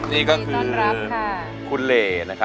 นี่ก็คือคุณเล